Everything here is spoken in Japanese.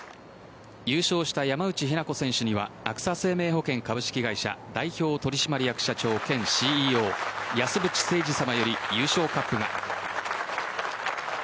優勝した山内日菜子選手にはアクサ生命保険株式会社代表取締役社長兼ＣＥＯ安渕聖司さまより優勝カップが。